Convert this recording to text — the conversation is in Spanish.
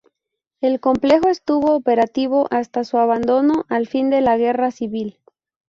El complejo estuvo operativo hasta su abandono al fin de la Guerra Civil.